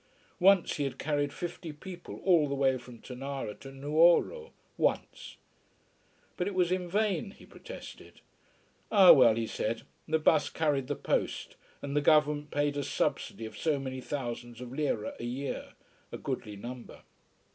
Once he had carried fifty people all the way from Tonara to Nuoro. Once! But it was in vain he protested. Ah well, he said, the bus carried the post, and the government paid a subsidy of so many thousands of lire a year: a goodly number.